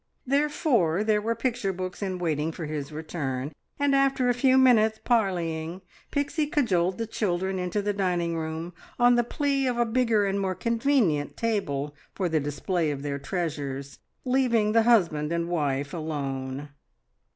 Therefore there were picture books in waiting for his return, and after a few minutes parleying Pixie cajoled the children into the dining room on the plea of a bigger and more convenient table for the display of their treasures, leaving the husband and wife alone.